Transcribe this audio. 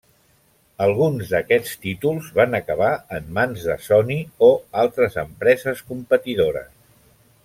Alguns d'aquests títols van acabar en mans de Sony o altres empreses competidores.